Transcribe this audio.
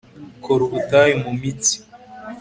kora ubutayu mu mitsi